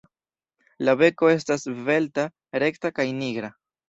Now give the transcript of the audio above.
La beko estas svelta, rekta kaj nigra.